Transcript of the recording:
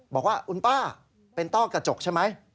บอกว่าคุณป้าเป็นต้อกระจกใช่ไหม